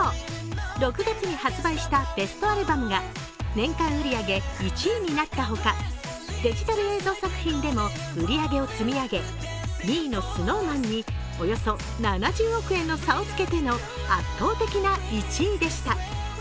６月に発売したベストアルバムが年間売り上げ１位になったほか、デジタル映像作品でも売り上げを積み上げ、２位のＳｎｏｗＭａｎにおよそ７０億円の差をつけての圧倒的な１位でした。